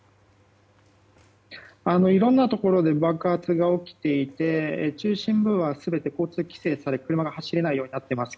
いろんなところで爆発が起きていて中心部は全て交通規制され、車が走れないようになっています。